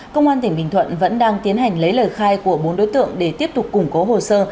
công an tp hcm vẫn đang tiến hành lấy lời khai của bốn đối tượng để tiếp tục củng cố hồ sơ